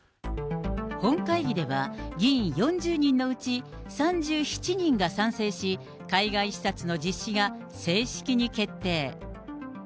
本会議では、議員４０人のうち３７人が賛成し、海外視察の実施が正式に決定。